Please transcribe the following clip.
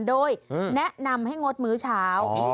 โดยแนะนำให้งดมื้อเช้า